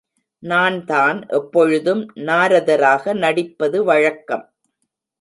நான்தான் எப்பொழுதும் நாரதராக நடிப்பது வழக்கம்.